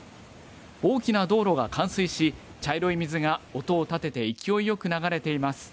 大きな道路が冠水し、茶色い水が音を立てて、勢いよく流れています。